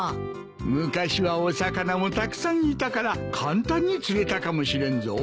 昔はお魚もたくさんいたから簡単に釣れたかもしれんぞ。